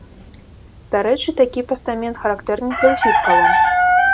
Дарэчы, такі пастамент характэрны для ўсіх калон.